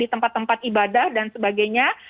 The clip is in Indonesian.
di tempat tempat ibadah dan sebagainya